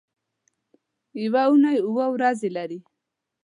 یوه اونۍ اووه ورځې لري